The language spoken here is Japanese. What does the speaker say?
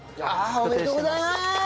おめでとうございます！